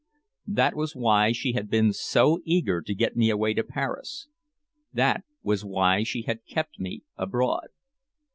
That was why she had been so eager to get me away to Paris; that was why she had kept me abroad!